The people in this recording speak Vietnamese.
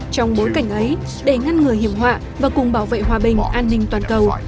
trong bối cảnh ấy để ngăn ngừa hiểm họa và cùng bảo vệ hòa bình an ninh toàn cầu